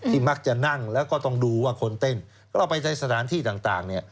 มักจะนั่งแล้วก็ต้องดูว่าคนเต้นก็เราไปในสถานที่ต่างเนี่ย